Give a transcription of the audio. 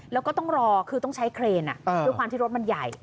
แล้วก็ต้องรอคือต้องใช้เครนด้วยความที่รถมันใหญ่